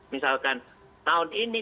misalkan tahun ini